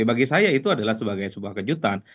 bagi saya itu adalah sebagai sebuah kejutan